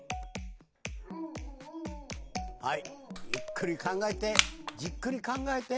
はいゆっくり考えてじっくり考えて。